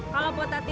kalo buat tati tau